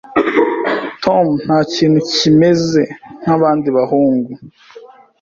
Tom ntakintu kimeze nkabandi bahungu.